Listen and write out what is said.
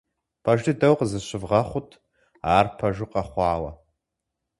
Пэж дыдэу, къызыщывгъэхъут ар пэжу къэхъуауэ.